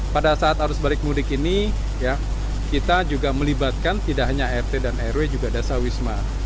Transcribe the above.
pada saat arus balik mudik ini kita juga melibatkan tidak hanya rt dan rw juga dasar wisma